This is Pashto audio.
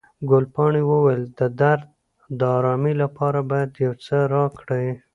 ګلپاڼې وویل، د درد د آرامي لپاره باید یو څه راکړئ.